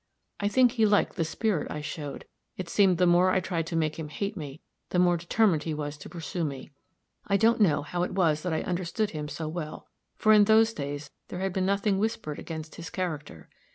I think he liked the spirit I showed; it seemed the more I tried to make him hate me, the more determined he was to pursue me. I don't know how it was that I understood him so well, for in those days there had been nothing whispered against his character.